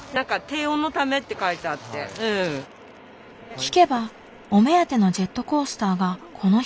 聞けばお目当てのジェットコースターがこの日は運休。